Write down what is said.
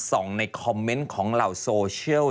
ในคอมเมนต์ของเหล่าโซเชียล